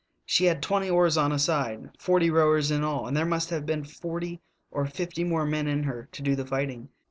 She had twenty oars on a side — forty rowers in all — and there must have been forty or fifty more men in her to do the fight ing.